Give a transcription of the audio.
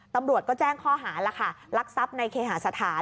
ตำรวจก็แจ้งข้อหาแล้วค่ะลักทรัพย์ในเคหาสถาน